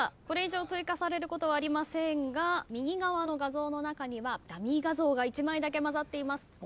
これ以上追加されることありませんが右側の画像の中にはダミー画像が１枚だけ交ざっています。